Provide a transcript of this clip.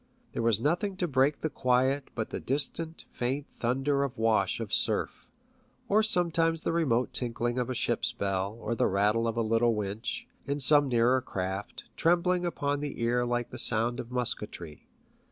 There was nothing to break the quiet but the distant, faint thunder of the wash of surf, or sometimes the remote tinkling of a ship's bell, or the rattle of a little winch, in some nearer craft, trembling upon the ear like the sound of musketry.